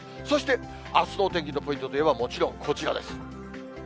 そしてあすのお天気のポイントといえば、もちろんこちらです。